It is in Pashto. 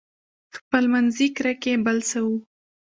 خپلمنځي کرکې بل څه وو.